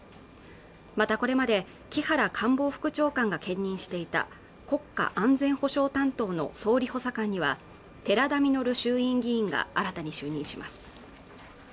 またこれまで木原官房副長官が兼任していた国家安全保障担当の総理補佐官には寺田稔衆院議員が新たに就任します